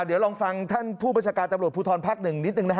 เดี๋ยวลองฟังท่านผู้บัญชาการตำรวจภูทรภาคหนึ่งนิดหนึ่งนะฮะ